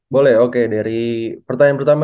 boleh oke dari pertanyaan pertama